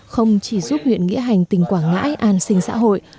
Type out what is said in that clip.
không chỉ giúp huyện nghĩa hành tỉnh quảng ngãi an sinh xã hội